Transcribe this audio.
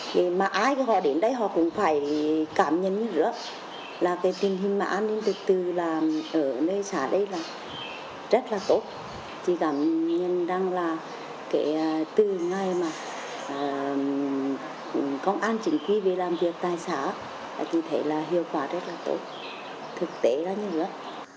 và công an chỉnh khí về làm việc tại xã thì thấy là hiệu quả rất là tốt thực tế là như vậy